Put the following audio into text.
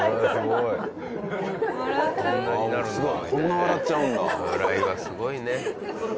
笑いはすごいね。